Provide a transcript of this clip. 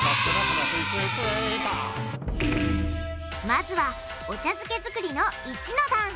まずはお茶漬け作りの一の段。